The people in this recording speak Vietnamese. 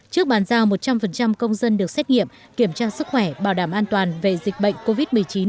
trước bàn giao một trăm linh công dân được xét nghiệm kiểm tra sức khỏe bảo đảm an toàn về dịch bệnh covid một mươi chín